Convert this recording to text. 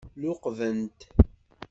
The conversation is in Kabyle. Luqben-t.